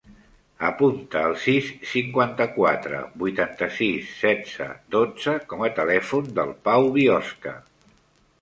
Apunta el sis, cinquanta-quatre, vuitanta-sis, setze, dotze com a telèfon del Pau Biosca.